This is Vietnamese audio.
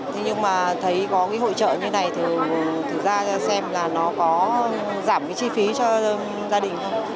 nhưng mà thấy có hội trợ như này thì thật ra xem là nó có giảm chi phí cho gia đình không